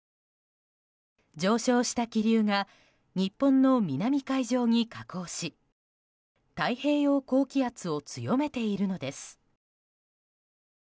上昇した気流が日本の南海上に下降し太平洋高気圧を強めているのです。